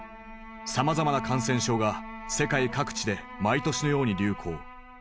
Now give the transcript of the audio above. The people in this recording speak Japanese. さまざまな感染症が世界各地で毎年のように流行。